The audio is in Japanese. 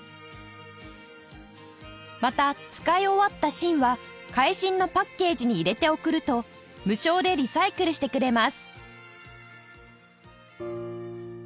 また使い終わった芯は替芯のパッケージに入れて送ると無償でリサイクルしてくれます